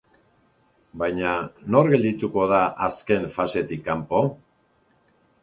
Baina, nor geldituko da azken fasetik kanpo?